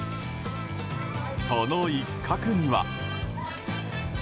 その一角には。